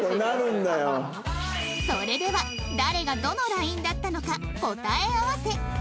それでは誰がどの ＬＩＮＥ だったのか答え合わせ